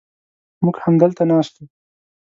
موږ همدلته ناست و.